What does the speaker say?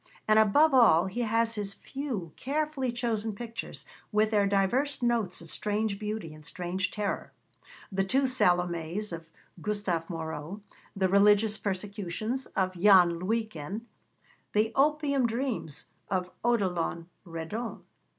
And above all he has his few, carefully chosen pictures, with their diverse notes of strange beauty and strange terror the two Salomés of Gustave Moreau, the 'Religious Persecutions' of Jan Luyken, the opium dreams of Odilon Redon.